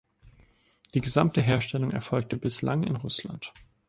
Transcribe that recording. Die gesamte Herstellung erfolgte bislang in Russland.